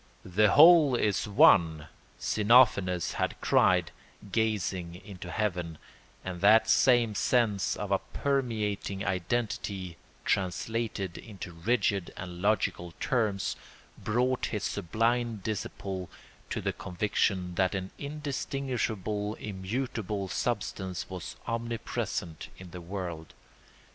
"The whole is one," Xenophanes had cried, gazing into heaven; and that same sense of a permeating identity, translated into rigid and logical terms, brought his sublime disciple to the conviction that an indistinguishable immutable substance was omnipresent in the world.